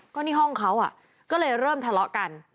ก็นี่ห้องเขาก็เลยเริ่มทะเลาะกัน